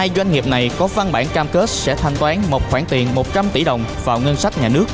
hai doanh nghiệp này có văn bản cam kết sẽ thanh toán một khoản tiền một trăm linh tỷ đồng vào ngân sách nhà nước